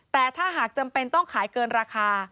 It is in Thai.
แต่ถ้าหากจำเป็นต้องขายเกินราคา